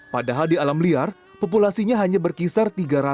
padahal di alam liar populasinya hanya berkisar tiga ratus